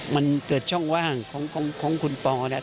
มันเกิดช่องว่างของคุณปอแล้ว